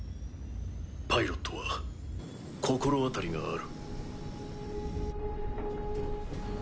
パイロットは心当たりがある。